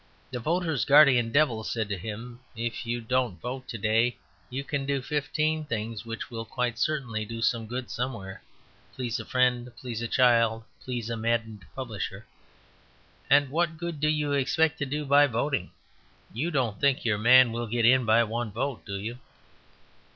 The voter's guardian devil said to him, "If you don't vote to day you can do fifteen things which will quite certainly do some good somewhere, please a friend, please a child, please a maddened publisher. And what good do you expect to do by voting? You don't think your man will get in by one vote, do you?"